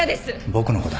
僕の子だ。